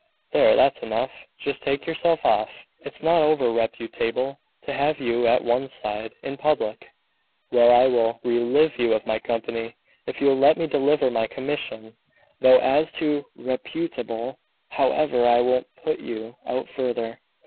"There, that's enough. Just take yourself off. It's not over reputable to have you at one's side in public." "Well, I will relieve you of my company, if you'll let me deliver my commission. Though, as to 'reputable' however, I won't put you out further.